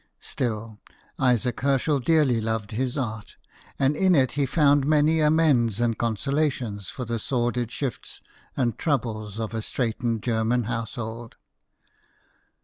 Still, Isaac Herschel dearly loved his art, and in it he found many amends and consolations for the sordid shifts and troubles of a straitened German household.